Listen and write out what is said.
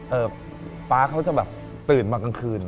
ป๊าเขาจะแบบตื่นมากลางคืน